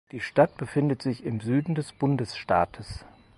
Die Stadt befindet sich im Süden des Bundesstaates.